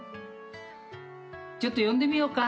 ちょっと呼んでみようか。